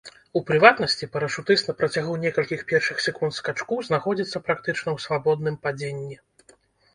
У прыватнасці, парашутыст на працягу некалькіх першых секунд скачку знаходзіцца практычна ў свабодным падзенні.